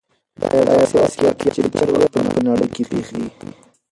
دا يو داسې واقعيت دی چې ډېری وخت په نړۍ کې پېښېږي.